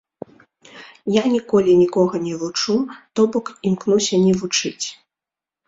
Я ніколі нікога не вучу, то бок імкнуся не вучыць.